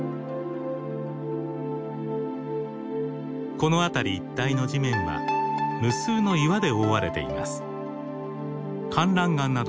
この辺り一帯の地面は無数の岩で覆われています。